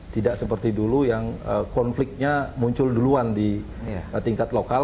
tidak seperti dulu yang konfliknya muncul duluan di tingkat lokal